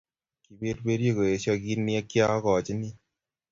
Kiperperyennyi koesyo kit ne kiagochini.